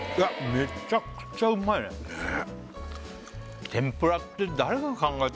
めちゃくちゃうまいねはははっ！